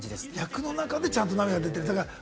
役の中でちゃんと涙が出てる。